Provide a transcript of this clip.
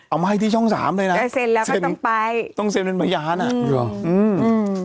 เอามาให้ที่ช่องสามเลยนะแค่เซ็นแล้วก็ต้องไปต้องเซ็นเป็นพยานอ่ะหรออืมอืม